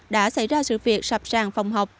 đã xảy ra sự việc sạp sàng phòng học